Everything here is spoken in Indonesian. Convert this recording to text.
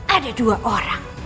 ada dua orang